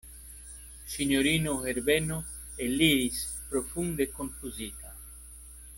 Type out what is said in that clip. Sinjorino Herbeno eliris profunde konfuzita.